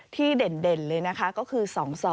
เด่นเลยนะคะก็คือ๒๒